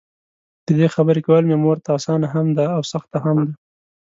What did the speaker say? ددې خبري کول مې مورته؛ اسانه هم ده او سخته هم ده.